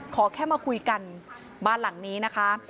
ขอแค่มาคุยกันบ้านหลังนี้นะคะ